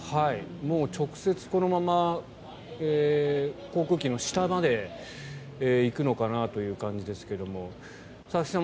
もう直接このまま航空機の下まで行くのかなという感じですが佐々木さん